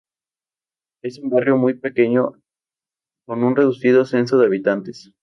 Es un barrio muy pequeño y con un reducido censo de habitantes.